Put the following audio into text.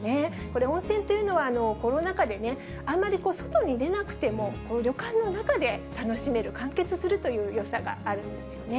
これ、温泉というのは、コロナ禍でね、あんまり外に出なくても、旅館の中で楽しめる、完結するというよさがあるんですよね。